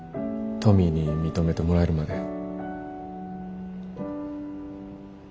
トミーに認めてもらえるまで。